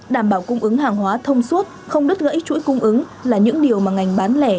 đảm bảo cung ứng hàng hóa thông suốt không đứt gãy chuỗi cung ứng là những điều mà ngành bán lẻ